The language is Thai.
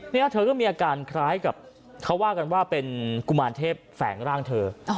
เนี่ยเธอก็มีอาการคล้ายกับเขาว่ากันว่าเป็นกุมารเทพแฝงร่างเธอ